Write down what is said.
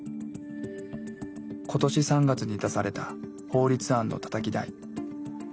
今年３月に出された法律案のたたき台。